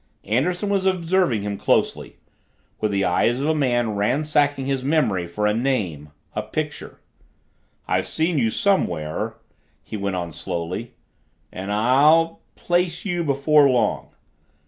Anderson was observing him closely, with the eyes of a man ransacking his memory for a name a picture. "I've seen you somewhere " he went on slowly. "And I'll place you before long."